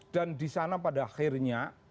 dan disana pada akhirnya